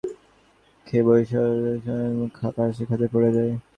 দ্রুতগতিতে বাসটি গাছের সঙ্গে ধাক্কা খেয়ে বরিশাল-ঢাকা মহাসড়কের পাশে খাদে পড়ে যায়।